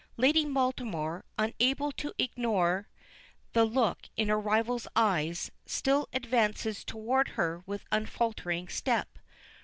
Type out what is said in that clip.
Lady Baltimore, unable to ignore the look in her rival's eyes, still advances toward her with unfaltering step.